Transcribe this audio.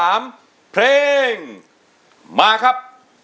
จะใช้หรือไม่ใช้ครับ